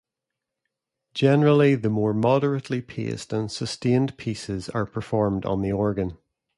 Generally the more moderately paced and sustained pieces are performed on the organ.